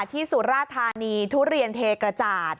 สุราธานีทุเรียนเทกระจาด